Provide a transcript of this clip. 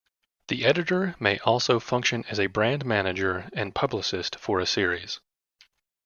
The editor may also function as a brand manager and publicist for a series.